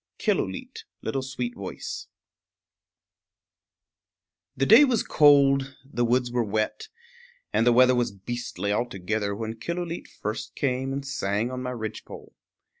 [Illustration: Killooleet] The day was cold, the woods were wet, and the weather was beastly altogether when Killooleet first came and sang on my ridgepole.